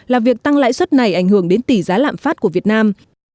là việc tăng lãi suất này ảnh hưởng đến tỷ giá lạm phát của việt nam